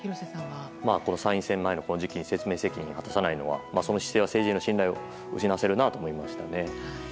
参院選前のこの時期に説明責任を果たさないのはその姿勢は政治への信頼を失わせるなと思います。